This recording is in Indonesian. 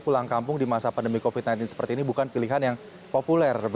pulang kampung di masa pandemi covid sembilan belas seperti ini bukan pilihan yang populer